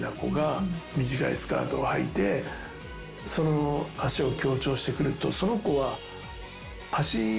はいて脚を強調してくるとその子は。